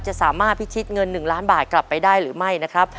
จะสามารถพิชิตเงิน๑ล้านบาทกลับไปได้หรือไม่นะครับ